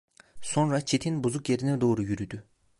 Sonra çitin bozuk yerine doğru yürüdü.